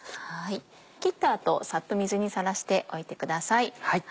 切った後さっと水にさらしておいてください。